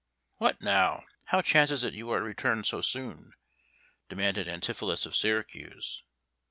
"What now? How chances it you are returned so soon?" demanded Antipholus of Syracuse.